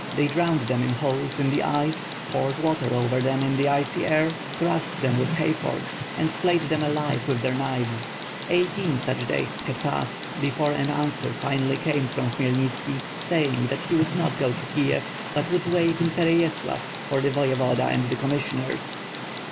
They drowned them in holes in the ice, poured water over them in the icy air, thrust them with hay forks, and flayed them alive with their knives. Eighteen such days had passed, before an answer finally came from Khmyelnit ski, saying that he would not go to Kiev, but would wait in Pereyaslav for the Voyevoda and the commissioners.